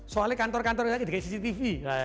soalnya kantor kantornya seperti cctv